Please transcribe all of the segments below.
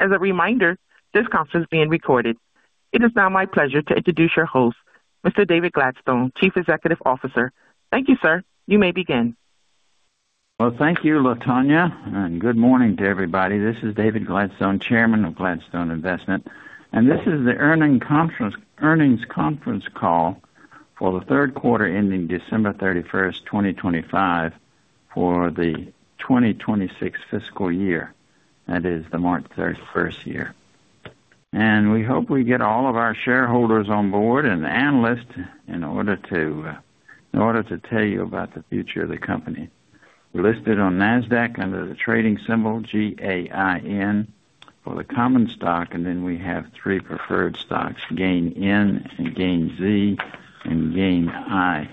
As a reminder, this conference is being recorded. It is now my pleasure to introduce your host, Mr. David Gladstone, Chief Executive Officer. Thank you, sir. You may begin. Well, thank you, Latoya, and good morning to everybody. This is David Gladstone, Chairman of Gladstone Investment, and this is the earnings conference call for the third quarter ending December 31, 2025, for the 2026 fiscal year. That is the March 31st year. We hope we get all of our shareholders on board and analysts in order to, in order to tell you about the future of the company. We're listed on Nasdaq under the trading symbol GAIN for the common stock, and then we have three preferred stocks, GAIN N and GAIN Z and GAIN I.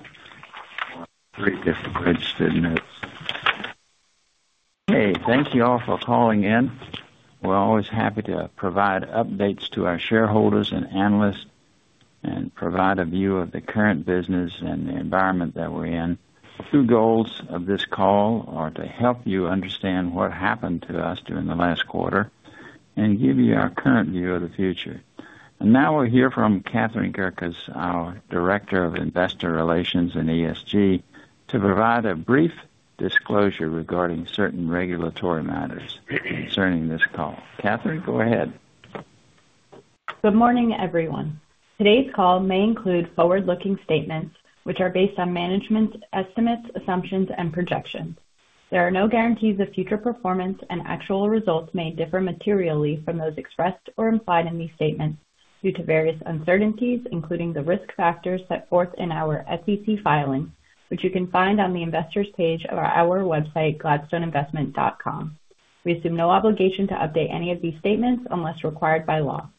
Three different registered notes. Okay, thank you all for calling in. We're always happy to provide updates to our shareholders and analysts and provide a view of the current business and the environment that we're in. Two goals of this call are to help you understand what happened to us during the last quarter and give you our current view of the future. Now we'll hear from Catherine Gerkis, our Director of Investor Relations and ESG, to provide a brief disclosure regarding certain regulatory matters concerning this call. Catherine, go ahead. Good morning, everyone. Today's call may include forward-looking statements which are based on management's estimates, assumptions, and projections. There are no guarantees of future performance, and actual results may differ materially from those expressed or implied in these statements due to various uncertainties, including the risk factors set forth in our SEC filings, which you can find on the Investors page of our website, gladstoneinvestment.com. We assume no obligation to update any of these statements unless required by law.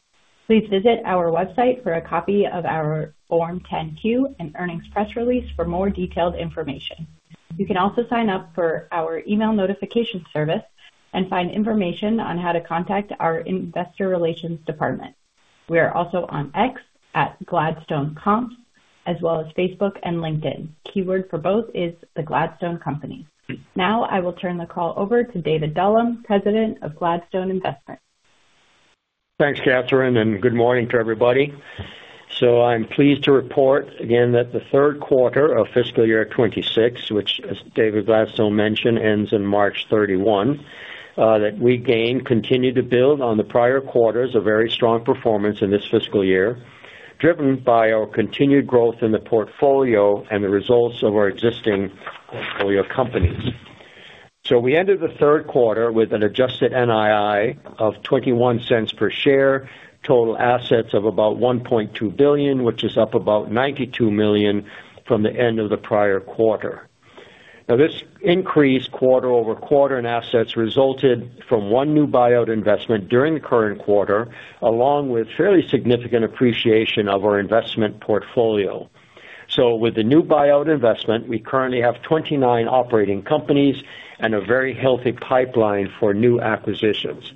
Please visit our website for a copy of our Form 10-Q and earnings press release for more detailed information. You can also sign up for our email notification service and find information on how to contact our investor relations department. We are also on X, @GladstoneComp, as well as Facebook and LinkedIn. Keyword for both is the Gladstone Company. Now I will turn the call over to David Dullum, President of Gladstone Investment. Thanks, Catherine, and good morning to everybody. So I'm pleased to report again that the third quarter of fiscal year 2026, which, as David Gladstone mentioned, ends in March 31, uh that we GAIN, continued to build on the prior quarters, a very strong performance in this fiscal year, driven by our continued growth in the portfolio and the results of our existing portfolio companies. So we ended the third quarter with an adjusted NII of $0.21 per share, total assets of about $1.2 billion, which is up about $92 million from the end of the prior quarter. Of this increase quarter-over-quarter in assets resulted from one new buyout investment during the current quarter, along with fairly significant appreciation of our investment portfolio. So with the new buyout investment, we currently have 29 operating companies and a very healthy pipeline for new acquisitions.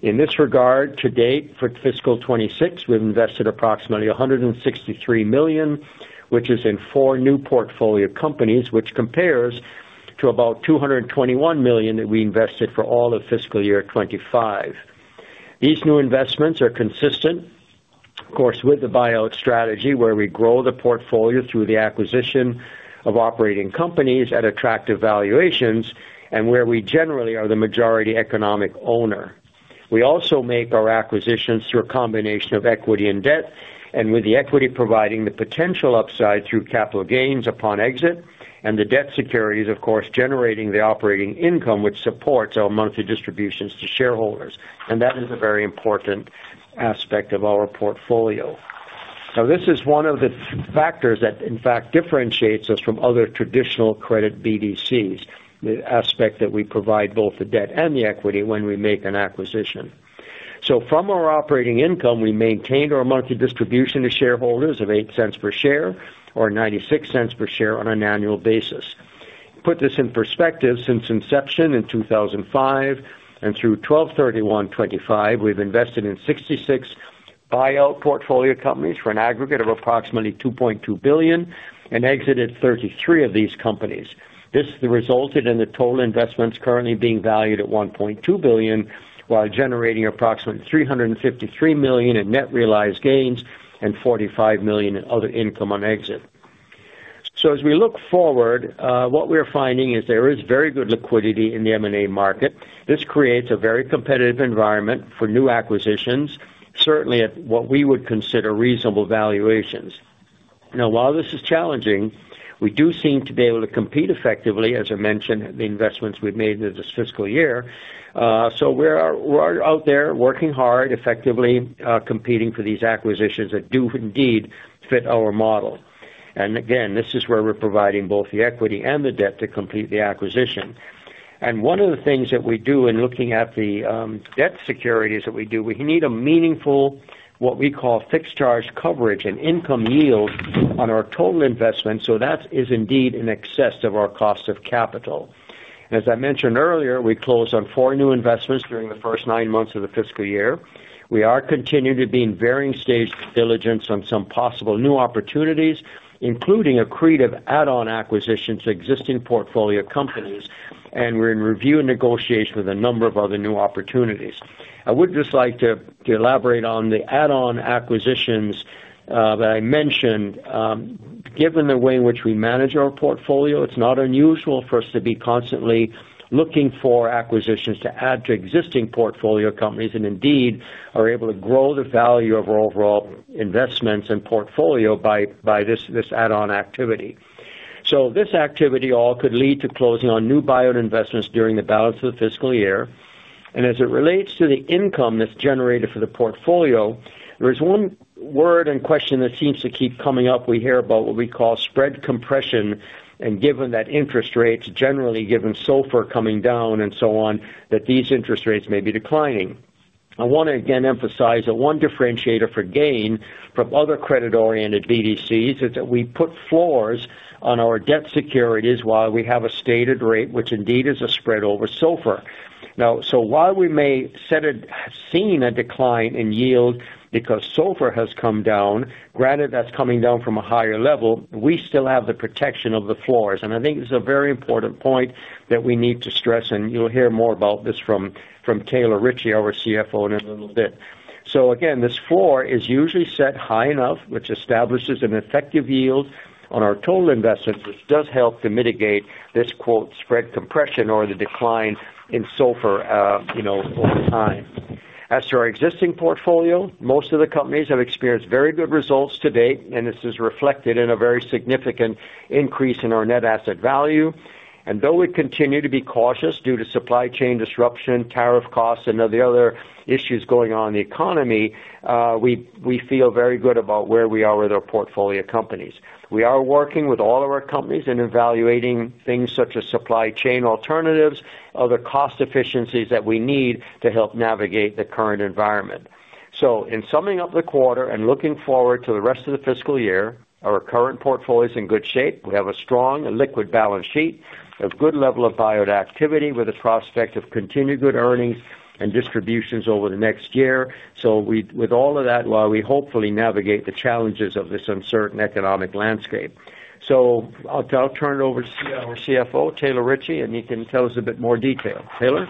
In this regard, to date, for fiscal 2026, we've invested approximately $163 million, which is in four new portfolio companies, which compares to about $221 million that we invested for all of fiscal year 2025. These new investments are consistent, of course, with the buyout strategy, where we grow the portfolio through the acquisition of operating companies at attractive valuations and where we generally are the majority economic owner. We also make our acquisitions through a combination of equity and debt, and with the equity providing the potential upside through capital gains upon exit, and the debt securities, of course, generating the operating income, which supports our monthly distributions to shareholders. And that is a very important aspect of our portfolio. So this is one of the factors that in fact differentiates us from other traditional credit BDCs, the aspect that we provide both the debt and the equity when we make an acquisition. So from our operating income, we maintained our monthly distribution to shareholders of $0.08 per share or $0.96 per share on an annual basis. Put this in perspective, since inception in 2005 and through 12/31/2025, we've invested in 66 buyout portfolio companies for an aggregate of approximately $2.2 billion and exited 33 of these companies. This resulted in the total investments currently being valued at $1.2 billion, while generating approximately $353 million in net realized gains and $45 million in other income on exit. So as we look forward, uh what we're finding is there is very good liquidity in the M&A market. This creates a very competitive environment for new acquisitions, certainly at what we would consider reasonable valuations. Now, while this is challenging, we do seem to be able to compete effectively, as I mentioned, the investments we've made in this fiscal year. Uh so we're, we're out there working hard, effectively, uh competing for these acquisitions that do indeed fit our model. And again, this is where we're providing both the equity and the debt to complete the acquisition. And one of the things that we do in looking at the um debt securities that we do, we need a meaningful, what we call fixed charge coverage and income yield on our total investment. So that is indeed in excess of our cost of capital. As I mentioned earlier, we closed on four new investments during the first nine months of the fiscal year. We are continuing to be in varying stages of diligence on some possible new opportunities, including accretive add-on acquisitions to existing portfolio companies and we're in review and negotiation with a number of other new opportunities. I would just like to, to elaborate on the add-on acquisitions I've mentioned. Given the way in which we manage our portfolio, it's not unusual for us to be constantly looking for acquisitions to add to existing portfolio companies, and indeed, are able to grow the value of our overall investments and portfolio by, by this add-on activity. So this activity all could lead to closing on new buyout investments during the balance of the fiscal year. And as it relates to the income that's generated for the portfolio, there is one word and question that seems to keep coming up. We hear about what we call spread compression, and given that interest rates, generally, given SOFR coming down and so on, that these interest rates may be declining. I want to again emphasize that one differentiator for GAIN from other credit-oriented BDCs is that we put floors on our debt securities while we have a stated rate, which indeed is a spread over SOFR. Now, so while we may have seen a decline in yield because SOFR has come down, granted that's coming down from a higher level, we still have the protection of the floors. And I think this is a very important point that we need to stress, and you'll hear more about this from, from Taylor Ritchie, our CFO, in a little bit. So again, this floor is usually set high enough, which establishes an effective yield on our total investments, which does help to mitigate this "spread compression" or the decline in SOFR, uh you know, over time. As to our existing portfolio, most of the companies have experienced very good results to date, and this is reflected in a very significant increase in our net asset value. And though we continue to be cautious due to supply chain disruption, tariff costs, and the other issues going on in the economy, uh we, we feel very good about where we are with our portfolio companies. We are working with all of our companies in evaluating things such as supply chain alternatives, other cost efficiencies that we need to help navigate the current environment. So, in summing up the quarter and looking forward to the rest of the fiscal year, our current portfolio is in good shape. We have a strong and liquid balance sheet, a good level of buyout activity, with a prospect of continued good earnings and distributions over the next year. So with, with all of that, while we hopefully navigate the challenges of this uncertain economic landscape. So, I'll turn it over to our CFO, Taylor Ritchie, and he can tell us a bit more detail. Taylor?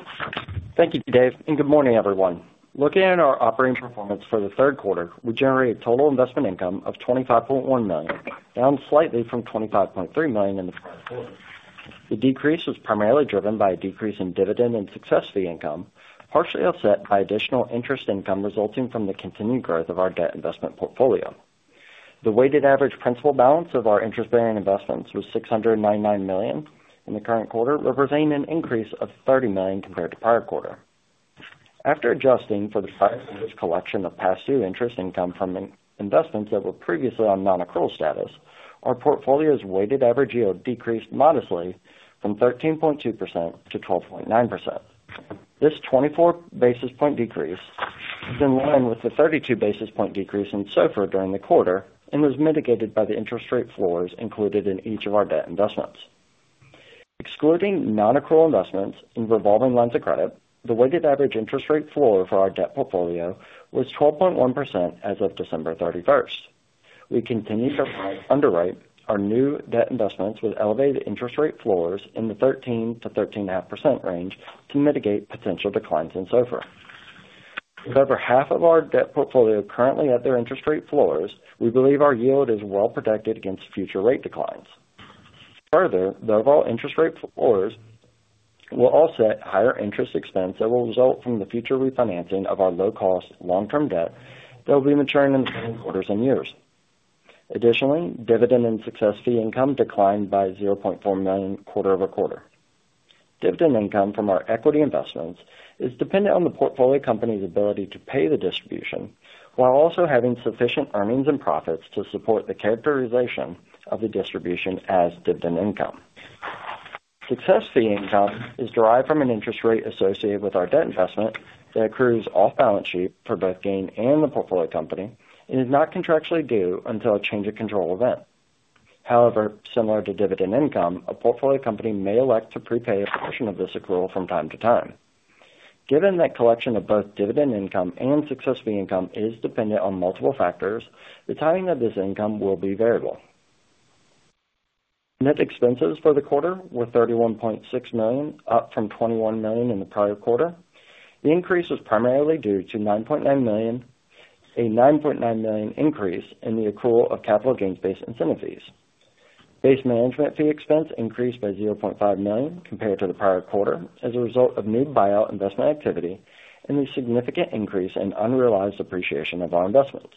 Thank you, Dave, and good morning, everyone. Looking at our operating performance for the third quarter, we generated total investment income of $25.1 million, down slightly from $25.3 million in the prior quarter. The decrease was primarily driven by a decrease in dividend and success fee income, partially offset by additional interest income resulting from the continued growth of our debt investment portfolio. The weighted average principal balance of our interest-bearing investments was $699 million in the current quarter, representing an increase of $30 million compared to prior quarter. After adjusting for the collection of past due interest income from investments that were previously on non-accrual status, our portfolio's weighted average yield decreased modestly from 13.2% to 12.9%. This 24 basis point decrease is in line with the 32 basis point decrease in SOFR during the quarter and was mitigated by the interest rate floors included in each of our debt investments. Excluding non-accrual investments in revolving lines of credit, the weighted average interest rate floor for our debt portfolio was 12.1% as of December 31st. We continue to underwrite our new debt investments with elevated interest rate floors in the 13%-13.5% range to mitigate potential declines in SOFR. With over half of our debt portfolio currently at their interest rate floors, we believe our yield is well protected against future rate declines. Further, the overall interest rate floors will offset higher interest expense that will result from the future refinancing of our low-cost, long-term debt that will be maturing in quarters and years. Additionally, dividend and success fee income declined by $0.4 million quarter-over-quarter. Dividend income from our equity investments is dependent on the portfolio company's ability to pay the distribution, while also having sufficient earnings and profits to support the characterization of the distribution as dividend income. Success fee income is derived from an interest rate associated with our debt investment that accrues off-balance-sheet for both GAIN and the portfolio company, and is not contractually due until a change of control event. However, similar to dividend income, a portfolio company may elect to prepay a portion of this accrual from time to time. Given that collection of both dividend income and success fee income is dependent on multiple factors, the timing of this income will be variable. Net expenses for the quarter were $31.6 million, up from $21 million in the prior quarter. The increase was primarily due to $9.9 million, a $9.9 million increase in the accrual of capital gains-based incentive fees. Base management fee expense increased by $0.5 million compared to the prior quarter as a result of new buyout investment activity and a significant increase in unrealized appreciation of our investments.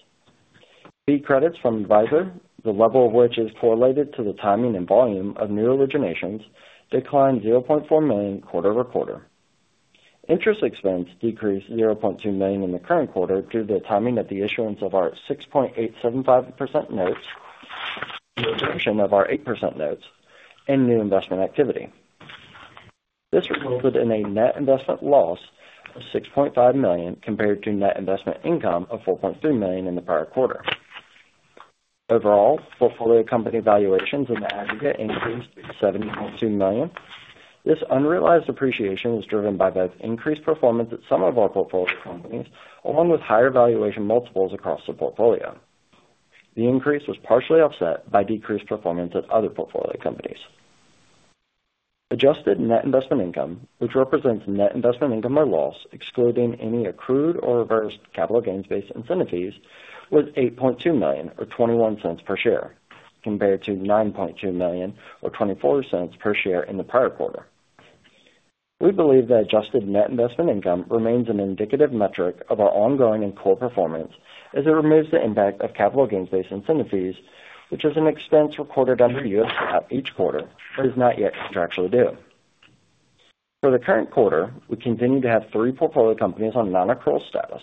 Fee credits from advisor, the level of which is correlated to the timing and volume of new originations, declined $0.4 million quarter-over-quarter. Interest expense decreased $0.2 million in the current quarter due to the timing of the issuance of our 6.875% notes, the redemption of our 8% notes, and new investment activity. This resulted in a net investment loss of $6.5 million compared to net investment income of $4.3 million in the prior quarter. Overall, portfolio company valuations in the aggregate increased to $70.2 million. This unrealized appreciation was driven by both increased performance at some of our portfolio companies, along with higher valuation multiples across the portfolio. The increase was partially offset by decreased performance of other portfolio companies. Adjusted net investment income, which represents net investment income or loss, excluding any accrued or reversed capital gains-based incentive fees, was $8.2 million, or $0.21 per share, compared to $9.2 million, or $0.24 per share in the prior quarter. We believe that adjusted net investment income remains an indicative metric of our ongoing and core performance, as it removes the impact of capital gains-based incentive fees, which is an expense recorded under U.S. GAAP each quarter, but is not yet contractually due. For the current quarter, we continue to have three portfolio companies on non-accrual status.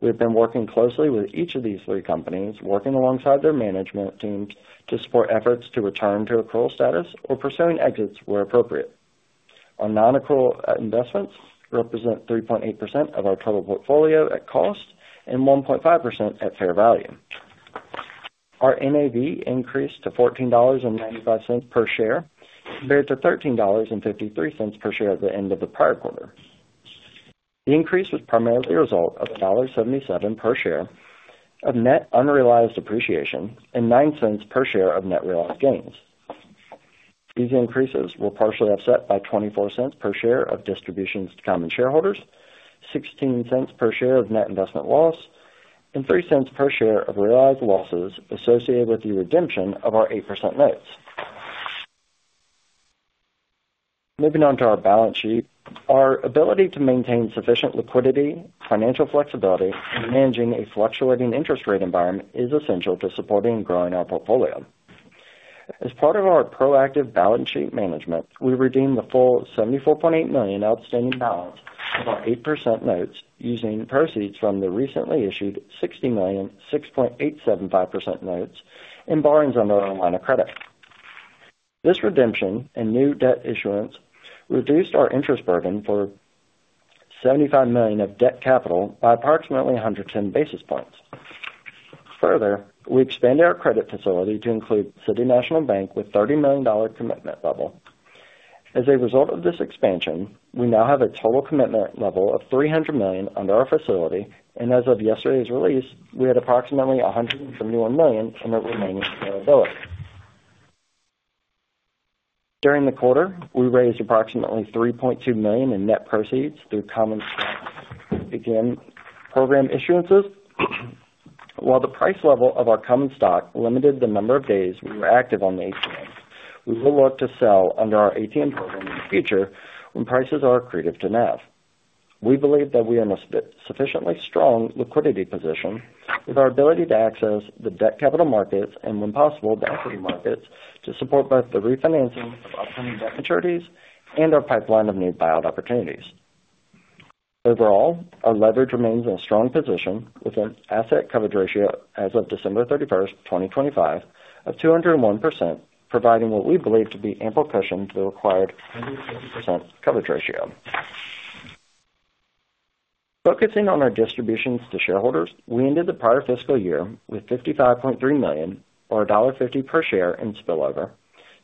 We've been working closely with each of these three companies, working alongside their management teams to support efforts to return to accrual status or pursuing exits where appropriate. Our non-accrual investments represent 3.8% of our total portfolio at cost and 1.5% at fair value. Our NAV increased to $14.95 per share, compared to $13.53 per share at the end of the prior quarter. The increase was primarily a result of $1.77 per share of net unrealized appreciation and $0.09 per share of net realized gains. These increases were partially offset by $0.24 per share of distributions to common shareholders, $0.16 per share of net investment loss, and $0.03 per share of realized losses associated with the redemption of our 8% notes. Moving on to our balance sheet. Our ability to maintain sufficient liquidity, financial flexibility, and managing a fluctuating interest rate environment is essential to supporting and growing our portfolio. As part of our proactive balance sheet management, we redeemed the full $74.8 million outstanding balance of our 8% notes, using proceeds from the recently issued $60 million, 6.875% notes and borrowings on our line of credit. This redemption and new debt issuance reduced our interest burden for $75 million of debt capital by approximately 110 basis points. Further, we expanded our credit facility to include City National Bank with $30 million commitment level. As a result of this expansion, we now have a total commitment level of $300 million under our facility, and as of yesterday's release, we had approximately $171 million in our remaining availability. During the quarter, we raised approximately $3.2 million in net proceeds through common stock ATM program issuances. While the price level of our common stock limited the number of days we were active on the ATM, we will look to sell under our ATM program in the future when prices are accretive to NAV. We believe that we are in a sufficiently strong liquidity position with our ability to access the debt capital markets and, when possible, the equity markets, to support both the refinancing of upcoming debt maturities and our pipeline of new buyout opportunities. Overall, our leverage remains in a strong position, with an asset coverage ratio as of December 31st 2025 of 201%, providing what we believe to be ample cushion to the required 100% coverage ratio. Focusing on our distributions to shareholders, we ended the prior fiscal year with $55.3 million, or $1.50 per share in spillover,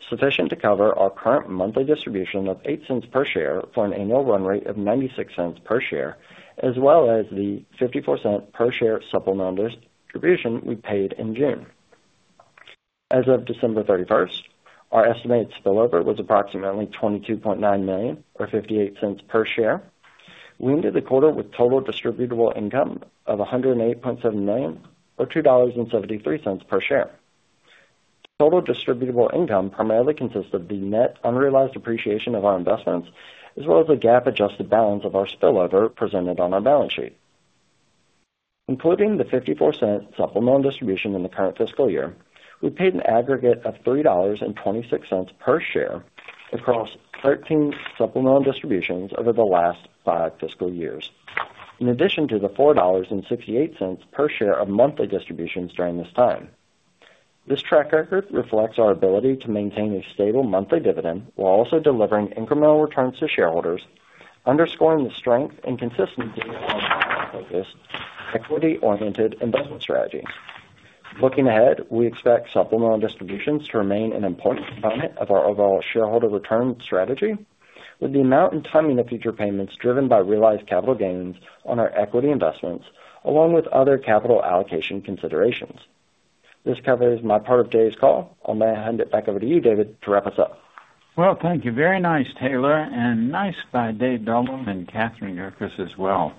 sufficient to cover our current monthly distribution of $0.08 per share for an annual run rate of $0.96 per share, as well as the $0.54 per share supplemental distribution we paid in June. As of December 31st, our estimated spillover was approximately $22.9 million, or $0.58 per share. We ended the quarter with total distributable income of $108.7 million, or $2.73 per share. Total distributable income primarily consists of the net unrealized appreciation of our investments, as well as the GAAP-adjusted balance of our spillover presented on our balance sheet. Including the $0.54 supplemental distribution in the current fiscal year, we paid an aggregate of $3.26 per share across 13 supplemental distributions over the last 5 fiscal years, in addition to the $4.68 per share of monthly distributions during this time. This track record reflects our ability to maintain a stable monthly dividend while also delivering incremental returns to shareholders, underscoring the strength and consistency of our focused, equity-oriented investment strategy. Looking ahead, we expect supplemental distributions to remain an important component of our overall shareholder return strategy, with the amount and timing of future payments driven by realized capital gains on our equity investments, along with other capital allocation considerations. This covers my part of today's call. I'll hand it back over to you, David, to wrap us up. Well, thank you. Very nice, Taylor, and nice to David Dullum and Catherine Gerkis as well.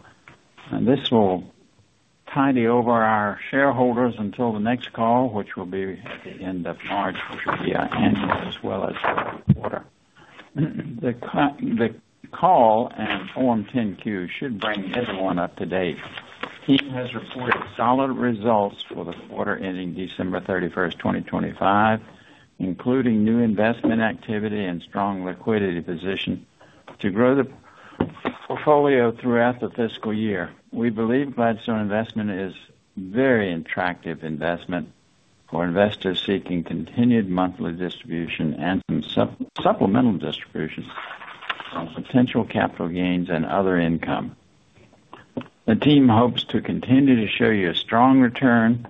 And this will tide over our shareholders until the next call, which will be at the end of March, which will be our annual as well as our quarter. The the call and Form 10-Q should bring everyone up to date. The team has reported solid results for the quarter ending December 31st, 2025, including new investment activity and strong liquidity position to grow the portfolio throughout the fiscal year. We believe Gladstone Investment is very attractive investment for investors seeking continued monthly distribution and some supplemental distributions from potential capital gains and other income. The team hopes to continue to show you a strong return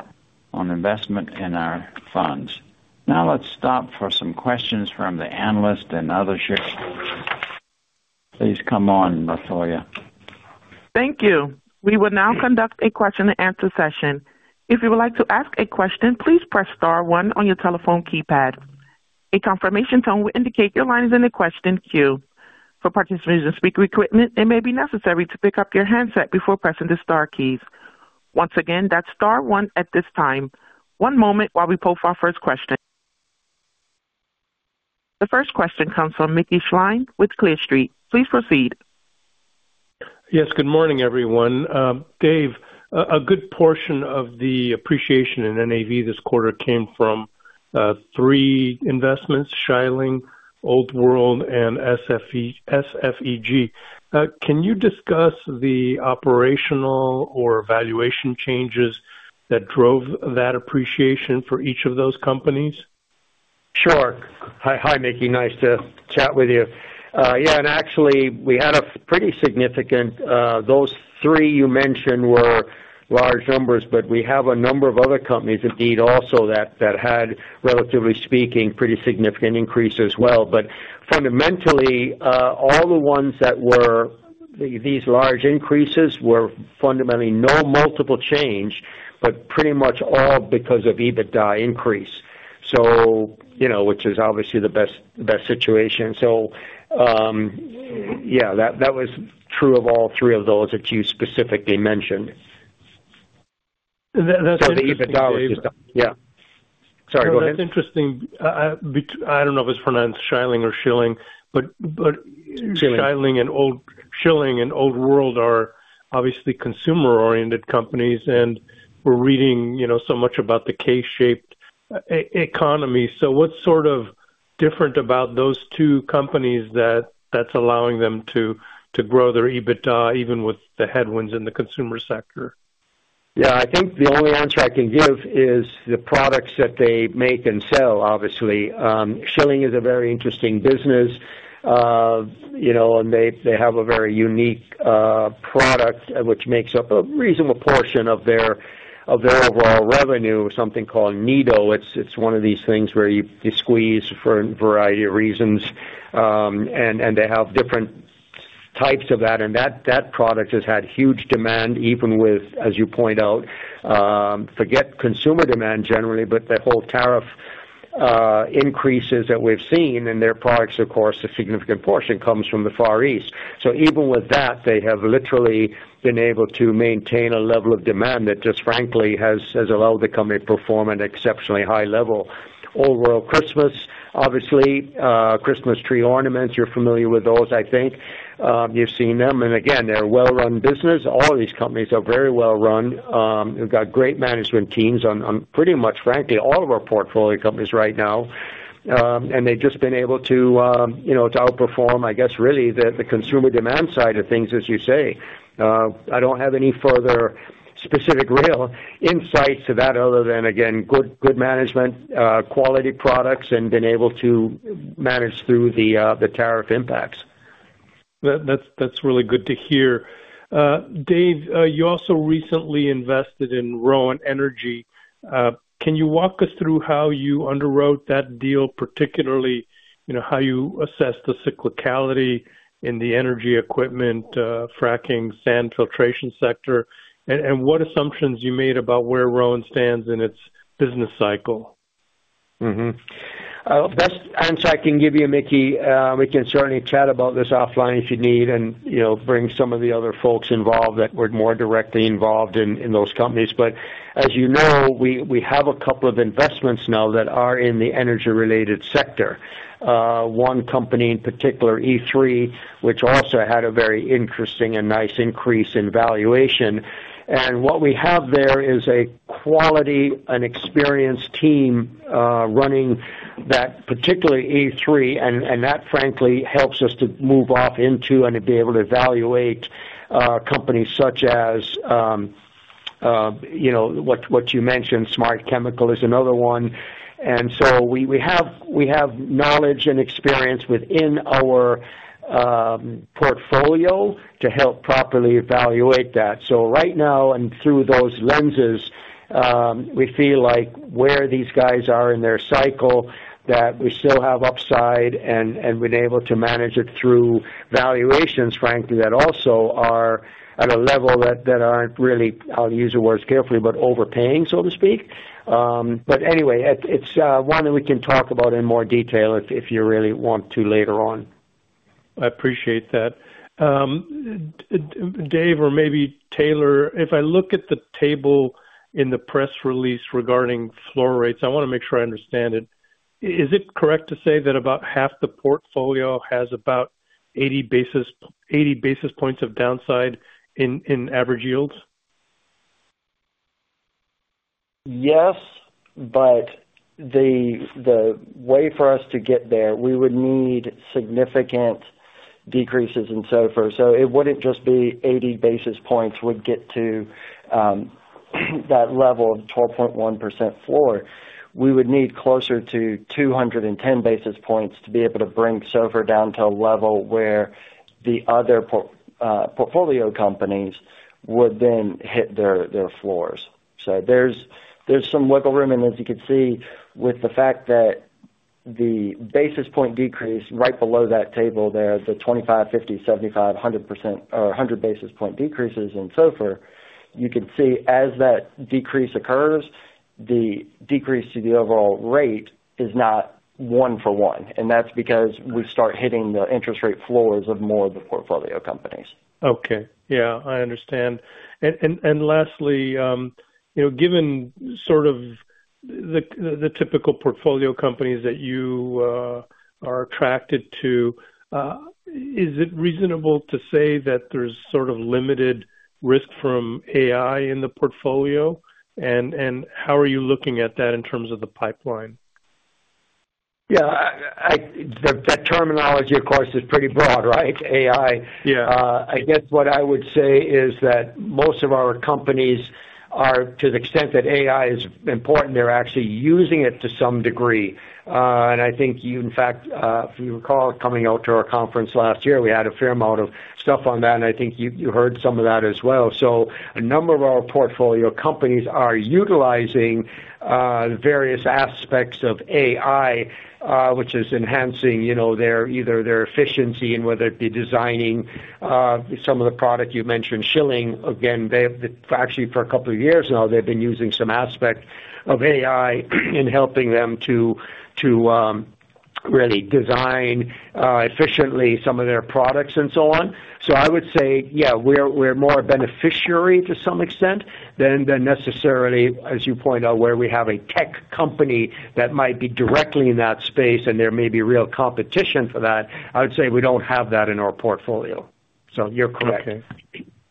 on investment in our funds. Now, let's stop for some questions from the analysts and other shareholders. Please come on, Latoya. Thank you. We will now conduct a question and answer session. If you would like to ask a question, please press star one on your telephone keypad. A confirmation tone will indicate your line is in the question queue. For participants using speaker equipment, it may be necessary to pick up your handset before pressing the star keys. Once again, that's star one at this time. One moment while we pull our first question. The first question comes from Mickey Schleien with Clear Street. Please proceed. Yes, good morning, everyone. Um Dave, a good portion of the appreciation in NAV this quarter came from uh three investments, Schylling, Old World, and SFE, SFEG. Can you discuss the operational or valuation changes that drove that appreciation for each of those companies? Sure. Hi, hi, Mickey, nice to chat with you. Yeah, and actually, we had a pretty significant, uh those three you mentioned were large numbers, but we have a number of other companies indeed also that, that had, relatively speaking, pretty significant increase as well. But fundamentally, uh all the ones that were these large increases were fundamentally no multiple change, but pretty much all because of EBITDA increase. So, you know, which is obviously the best, the best situation. So, um yeah, that, that was true of all three of those that you specifically mentioned. That-that's- So the EBITDA was. Yeah. Sorry, go ahead. That's interesting. I don't know if it's pronounced Schilling or Schilling, but- Schylling. Schylling and Old World are obviously consumer-oriented companies, and we're reading, you know, so much about the K-shaped economy. So what's sort of different about those two companies that, that's allowing them to grow their EBITDA, even with the headwinds in the consumer sector? Yeah, I think the only answer I can give is the products that they make and sell, obviously. Schylling is a very interesting business. You know, they have a very unique uh product, which makes up a reasonable portion of their, of their overall revenue, something called NeeDoh. It's one of these things where you squeeze for a variety of reasons, um and they have different types of that, and that product has had huge demand, even with, as you point out, um forget consumer demand generally, but the whole tariff uh increases that we've seen in their products, of course, a significant portion comes from the Far East. So even with that, they have literally been able to maintain a level of demand that just frankly has allowed the company to perform at an exceptionally high level. Old World Christmas, obviously, uh Christmas tree ornaments, you're familiar with those I think. Uh you've seen them. And again, they're a well-run business. All of these companies are very well run. Um they've got great management teams on pretty much, frankly, all of our portfolio companies right now. Um and they've just been able to um, you know, to outperform, I guess, really, the consumer demand side of things, as you say. Uh I don't have any further specific real insight to that other than, again, good management, uh quality products, and been able to manage through the uh tariff impacts. That, that's, that's really good to hear. Dave, you also recently invested in Rowan Energy. Uh can you walk us through how you underwrote that deal, particularly, you know, how you assessed the cyclicality in the energy equipment, uh fracking, sand filtration sector, and, and what assumptions you made about where Rowan stands in its business cycle? Mm-hmm. Best answer I can give you, Mickey, we can certainly chat about this offline if you need and, you know, bring some of the other folks involved that were more directly involved in those companies. But as you know we, we have a couple of investments now that are in the energy-related sector. Uh one company in particular E3, which also had a very interesting and nice increase in valuation. And what we have there is a quality and experienced team uh running that, particularly E3, and, and that frankly helps us to move off into and to be able to evaluate uh companies such as um, you know, what you mentioned, Smart Chemical is another one. And so we would have, we have knowledge and experience within our uh portfolio to help properly evaluate that. So right now, and through those lenses, uh we feel like where these guys are in their cycle, that we still have upside and, and we've been able to manage it through valuations, frankly, that also are at a level that aren't really, I'll use the words carefully, but overpaying, so to speak. Um, but anyway, one that we can talk about in more detail if you really want to later on. I appreciate that. Um Dave, or maybe Taylor, if I look at the table in the press release regarding floor rates, I wanna make sure I understand it. Is it correct to say that about half the portfolio has about 80 basis, 80 basis points of downside in average yields? Yes, but the way for us to get there, we would need significant decreases in SOFR. So it wouldn't just be 80 basis points would get to um that level of 12.1% floor. We would need closer to 210 basis points to be able to bring SOFR down to a level where the otheruh portfolio companies would then hit their floors. So there's some wiggle room, and as you can see, with the fact that the basis point decrease right below that table there, the 25, 50, 75, hundred percent or a 100 basis point decreases and so forth, you can see as that decrease occurs, the decrease to the overall rate is not one for one, and that's because we start hitting the interest rate floors of more of the portfolio companies. Okay. Yeah, I understand. And lastly, you know, given sort of the typical portfolio companies that youuh are attracted to, uh is it reasonable to say that there's sort of limited risk from AI in the portfolio? And, and how are you looking at that in terms of the pipeline? Yeah, that terminology, of course, is pretty broad, right? AI. Yeah. I guess what I would say is that most of our companies are, to the extent that AI is important, they're actually using it to some degree. Uh and I think you, in fact uh, if you recall, coming out to our conference last year, we had a fair amount of stuff on that, and I think you, you heard some of that as well. So a number of our portfolio companies are utilizing uh various aspects of AI, uh which is enhancing, you know, their, either their efficiency and whether it be designing uh some of the product you mentioned, Schilling, again, they've actually, for a couple of years now, they've been using some aspect of AI in helping them to, to um really design efficiently some of their products and so on. I would say, yeah, we're more a beneficiary to some extent than necessarily, as you point out, where we have a tech company that might be directly in that space, and there may be real competition for that. I would say we don't have that in our portfolio, so you're correct. Okay.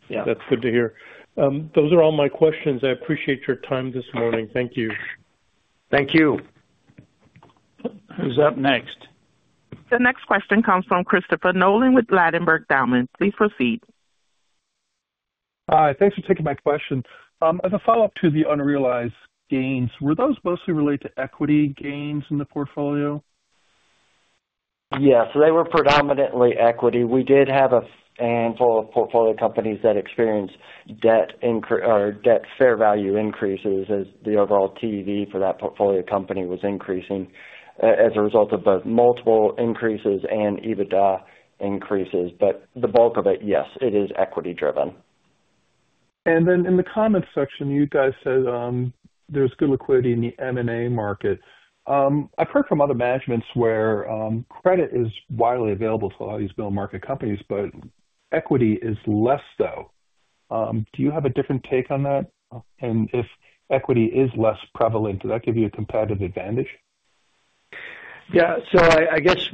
Yeah. That's good to hear. Those are all my questions. I appreciate your time this morning. Thank you. Thank you. Who's up next? The next question comes from Christopher Nolan with Ladenburg Thalmann. Please proceed. Hi, thanks for taking my question. As a follow-up to the unrealized gains, were those mostly related to equity gains in the portfolio? Yes, they were predominantly equity. We did have a handful of portfolio companies that experienced debt increases or debt fair value increases as the overall TEV for that portfolio company was increasing, as a result of both multiple increases and EBITDA increases. But the bulk of it, yes, it is equity-driven. Then in the comments section, you guys said, there's good liquidity in the M&A market. Um I've heard from other managements where credit widely available to a lot of these middle-market companies, but equity is less so. Um do you have a different take on that? And if equity is less prevalent, does that give you a competitive advantage? Yeah. So I, I guess,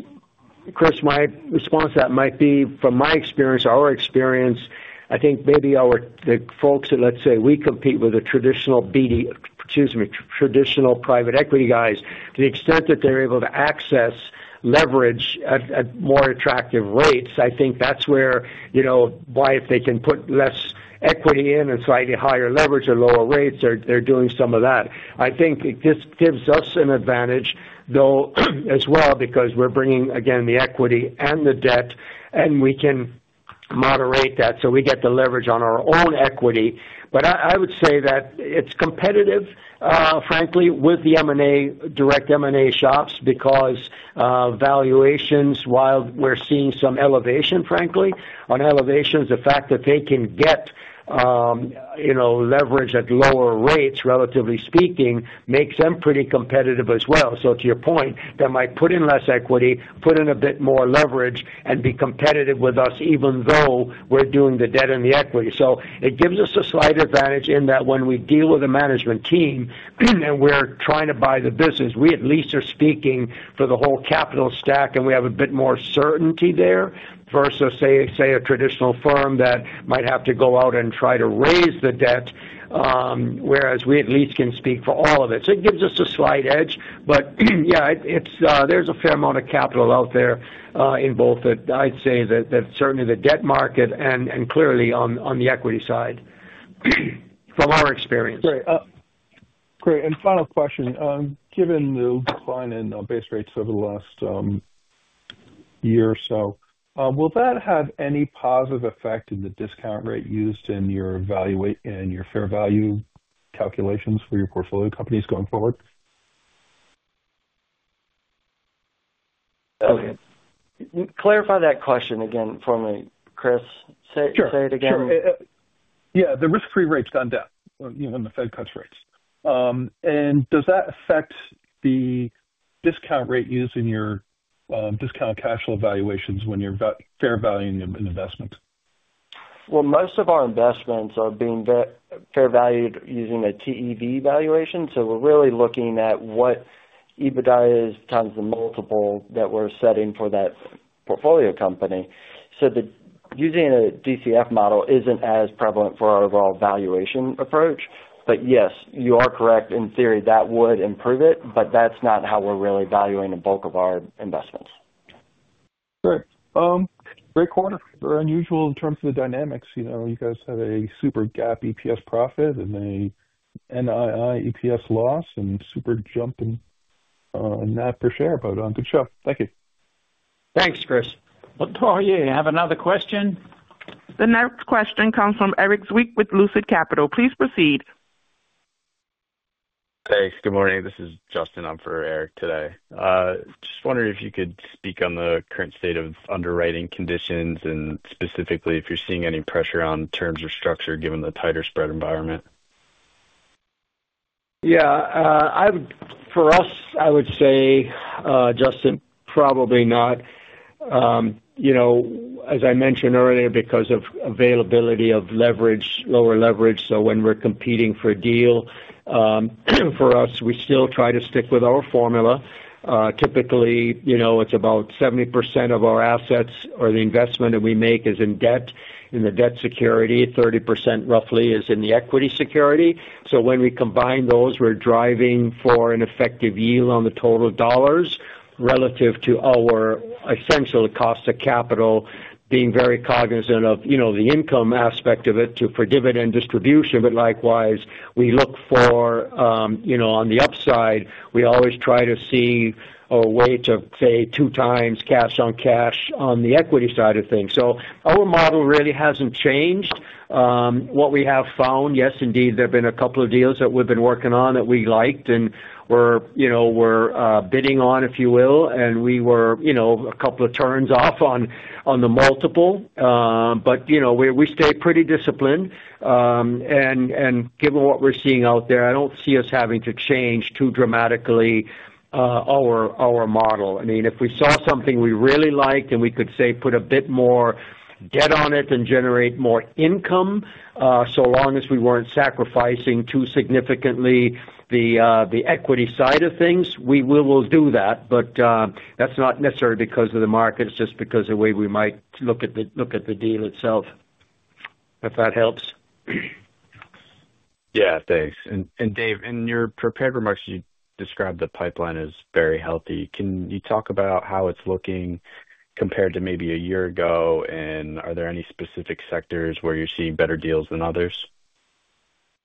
Chris, my response to that might be from my experience, our experience, I think maybe our, the folks that, let's say, we compete with the traditional BDC, excuse me, traditional private equity guys, to the extent that they're able to access leverage at, at more attractive rates, I think that's where, you know, why if they can put less equity in and slightly higher leverage or lower rates, they're, they're doing some of that. I think it gives, gives us an advantage, though, as well, because we're bringing, again, the equity and the debt, and we can moderate that, so we get the leverage on our own equity. But I would say that it's competitive, uh frankly, with the M&A, direct M&A shops because valuations, uh while we're seeing some elevation, frankly, on elevations, the fact that they can get, um you know, leverage at lower rates, relatively speaking, makes them pretty competitive as well. So to your point, they might put in less equity, put in a bit more leverage, and be competitive with us, even though we're doing the debt and the equity. So it gives us a slight advantage in that when we deal with a management team, and we're trying to buy the business, we at least are speaking for the whole capital stack, and we have a bit more certainty there versus, say, a traditional firm that might have to go out and try to raise the debt, um whereas we at least can speak for all of it. So it gives us a slight edge, but, yeah, it's, there's a fair amount of capital out there, in both the. I'd say that certainly the debt market and, and clearly on the equity side, from our experience. Great. Great. Final question, given the decline in base rates over last um year or so, will that have any positive effect in the discount rate used in your value, in your fair value calculations for your portfolio companies going forward? Okay. Clarify that question again for me, Chris. Sure. Say, say it again. Sure. Yeah, the risk-free rate's gone down, you know, when the Fed cuts rates. Um and does that affect the discount rate used in your, um discounted cash flow evaluations when you're fair valuing an investment? Well, most of our investments are being fair valued using a TEV valuation, so we're really looking at what EBITDA is times the multiple that we're setting for that portfolio company. So using a DCF model isn't as prevalent for our overall valuation approach. But yes, you are correct. In theory, that would improve it, but that's not how we're really valuing the bulk of our investments. Great. Um great quarter. Very unusual in terms of the dynamics. You know, you guys had a super GAAP EPS profit and a NII EPS loss and super jump in net per share, but good job. Thank you. Thanks, Chris. Latoya, you have another question? The next question comes from Erik Zwick with Lucid Capital Markets. Please proceed. Thanks. Good morning. This is Justin. I'm for Erik today. Just wondering if you could speak on the current state of underwriting conditions and specifically if you're seeing any pressure on terms or structure given the tighter spread environment? Yeah, for us, I would say, Justin, probably not. Um you know, as I mentioned earlier, because of availability of leverage, lower leverage, so when we're competing for a deal, um for us, we still try to stick with our formula. Uh typically, you know, it's about 70% of our assets or the investment that we make is in debt, in the debt security. 30%, roughly, is in the equity security. So when we combine those, we're driving for an effective yield on the total dollars relative to our essential cost of capital, being very cognizant of, you know, the income aspect of it to, for dividend distribution. But likewise, we look for um, you know, on the upside, we always try to see a way to pay 2x cash on cash on the equity side of things. So our model really hasn't changed. Um what we have found, yes, indeed, there have been a couple of deals that we've been working on that we liked and we're, you know, we're bidding on, if you will, and we were, you know, a couple of turns off on the multiple. Uh but, you know, we stay pretty disciplined. Uh and given what we're seeing out there, I don't see us having to change too dramatically our model. I mean, if we saw something we really liked and we could, say, put a bit more debt on it and generate more income, uh so long as we weren't sacrificing too significantly the uh, the equity side of things, we will do that. But uh, that's not necessarily because of the market, it's just because the way we might look at the deal itself. If that helps? Yeah, thanks. And, Dave, in your prepared remarks, you described the pipeline as very healthy. Can you talk about how it's looking compared to maybe a year ago? And are there any specific sectors where you're seeing better deals than others?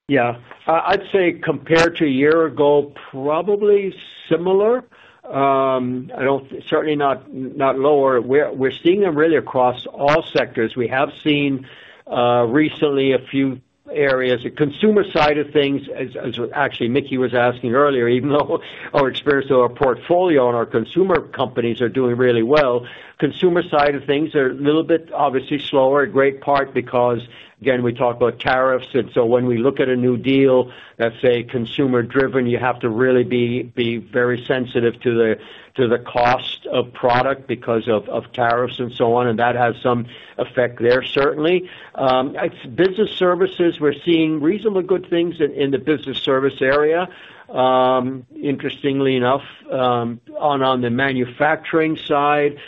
Yeah. I'd say compared to a year ago, probably similar. Um I don't certainly not lower. We're seeing them really across all sectors. We have seen uh recently a few areas. The consumer side of things, as actually Mickey was asking earlier, even though our experience of our portfolio and our consumer companies are doing really well, consumer side of things are a little bit obviously slower, a great part because, again, we talk about tariffs. And so when we look at a new deal, let's say, consumer driven, you have to really be very sensitive to the cost of product because of tariffs and so on, and that has some effect there, certainly. Um it's business services, we're seeing reasonably good things in the business service area. Um interestingly enough, um on the manufacturing side,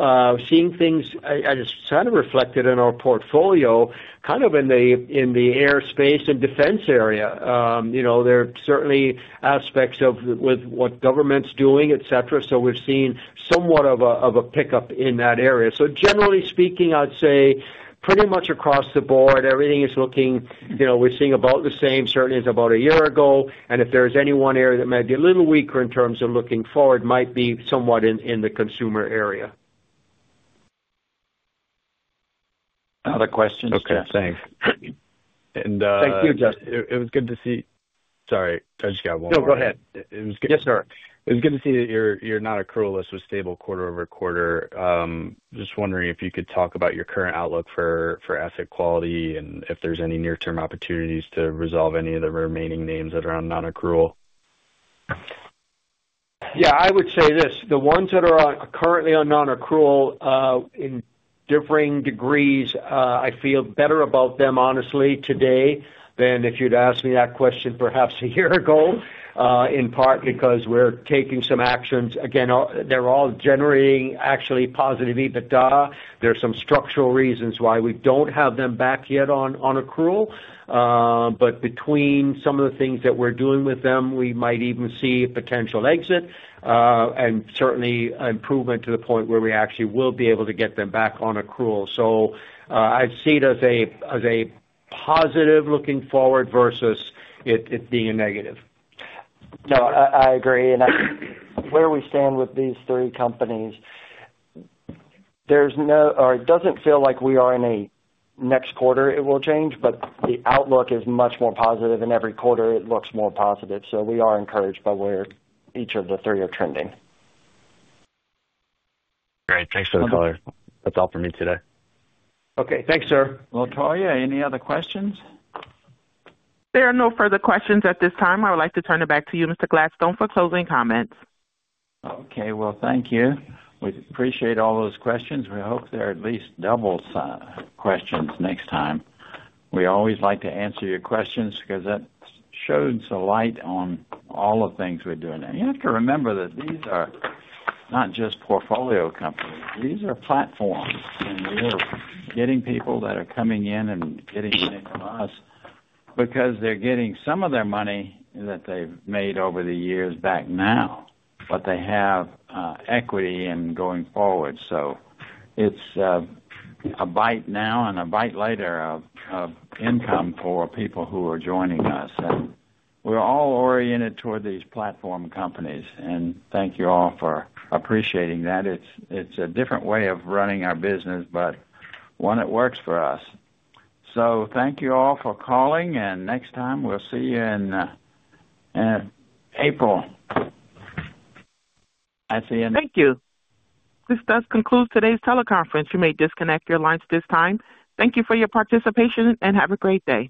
uh seeing things as kind of reflected in our portfolio, kind of in the aerospace and defense area. Um you know, there are certainly aspects of with what government's doing, et cetera. So we've seen somewhat of a pickup in that area. So generally speaking, I'd say pretty much across the board, everything is looking, you know, we're seeing about the same, certainly as about a year ago. And if there's any one area that might be a little weaker in terms of looking forward, might be somewhat in the consumer area. Other questions? Okay, thanks. Thank you, Justin. It was good to see. Sorry, I just got one more. No, go ahead. It was good- Yes, sir. It was good to see that your non-accrual list is stable quarter-over-quarter. Um just wondering if you could talk about your current outlook for, for asset quality and if there's any near-term opportunities to resolve any of the remaining names that are on non-accrual? Yeah, I would say this. The ones that are on, currently on non-accrual, uh in differing degrees, uh uh I feel better about them honestly today than if you'd asked me that question perhaps a year ago, in part because we're taking some actions. Again, they're all generating actually positive EBITDA. There some structural reasons why we don't have them back yet on accrual. Uh but between some of the things that we're doing with them, we might even see a potential exit, uh and certainly improvement to the point where we actually will be able to get them back on accrual. So, uh I'd see it as a, as a positive looking forward versus it being a negative. No, I agree. And where we stand with these three companies, there's no—or it doesn't feel like we are in a next quarter. It will change, but the outlook is much more positive, and every quarter it looks more positive. So we are encouraged by where each of the three are trending. Great. Thanks for the color. That's all for me today. Okay. Thanks, sir. Latoya, any other questions? There are no further questions at this time. I would like to turn it back to you, Mr. Gladstone, for closing comments. Okay. Well, thank you. We appreciate all those questions. We hope there are at least double the questions next time. We always like to answer your questions because that sheds a light on all the things we're doing. And you have to remember that these are not just portfolio companies, these are platforms, and we are getting people that are coming in and getting into us because they're getting some of their money that they've made over the years back now, but they have uh equity in going forward. So it's a bite now and a bite later of, of income for people who are joining us. And we're all oriented toward these platform companies, and thank you all for appreciating that. It's, it's a different way of running our business, but one that works for us. Thank you all for calling, and next time we'll see you in April. I see you. Thank you. This does conclude today's teleconference. You may disconnect your lines at this time. Thank you for your participation, and have a great day.